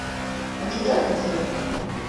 Açacak mısın?